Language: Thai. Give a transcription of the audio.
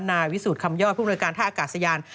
นายวิสูจน์คำยอดผู้บริการท่าอากาศยาน